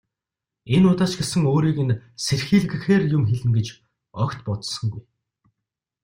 Энэ удаа ч гэсэн өөрийг нь сэрхийлгэхээр юм хэлнэ гэж огт бодсонгүй.